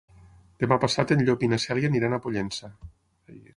Demà passat en Llop i na Cèlia aniran a Pollença.